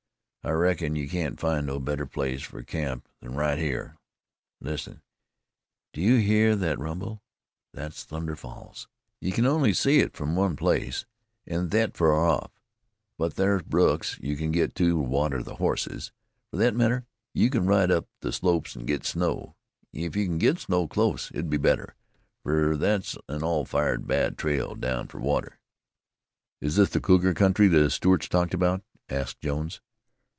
I reckon you can't find no better place fer camp than right hyar. Listen. Do you hear thet rumble? Thet's Thunder Falls. You can only see it from one place, an' thet far off, but thar's brooks you can git at to water the hosses. Fer thet matter, you can ride up the slopes an' git snow. If you can git snow close, it'd be better, fer thet's an all fired bad trail down fer water." "Is this the cougar country the Stewarts talked about?" asked Jones.